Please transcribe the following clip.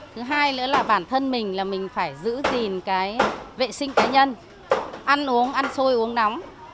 thứ hai nữa là bản thân mình là mình phải giữ gìn cái vệ sinh cá nhân ăn uống ăn xôi uống nóng